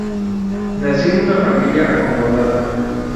Nació en una familia acomodada.